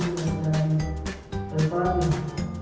ini juga jadi tragis